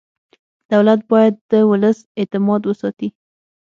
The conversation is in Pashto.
دولت باید د ولس اعتماد وساتي.